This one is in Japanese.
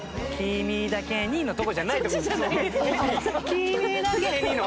「君だけに」の方。